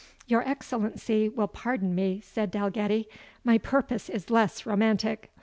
"Your Excellency will pardon me," said Dalgetty; "my purpose is less romantic.